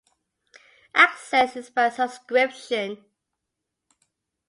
Access is by subscription.